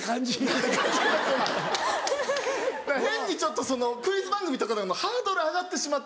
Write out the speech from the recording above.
だから変にちょっとクイズ番組とか出るのハードル上がってしまって。